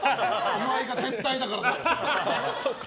岩井が絶対だからだよ。